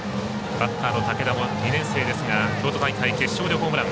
バッターの武田も２年生ですが京都大会決勝でホームラン。